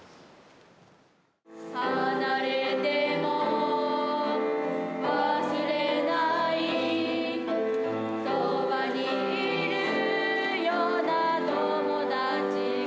「離れても忘れない」「そばにいるような友達が」